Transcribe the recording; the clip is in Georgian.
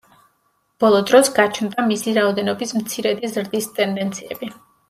ბოლო დროს გაჩნდა მისი რაოდენობის მცირედი ზრდის ტენდენციები.